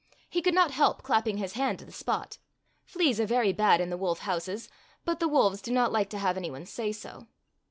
He could not help clapping his hand to the spot. Fleas are very bad in the wolf houses, but the wolves do not like to have any one say so.